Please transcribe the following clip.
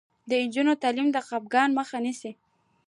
د نجونو تعلیم د خپګان مخه نیسي.